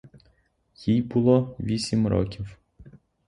Їй було вісім років.